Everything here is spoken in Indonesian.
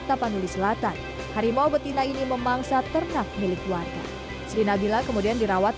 tapanuli selatan harimau betina ini memangsa ternak milik warga sri nabila kemudian dirawat